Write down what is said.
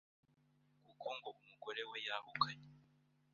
kuko umugore we ngo yahukanye